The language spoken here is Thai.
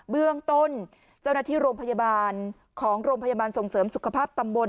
เบื้องต้นเจ้าหน้าที่โรงพยาบาลของโรงพยาบาลส่งเสริมสุขภาพตำบล